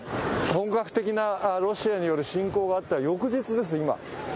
本格的なロシアによる侵攻があった翌日ですね、今。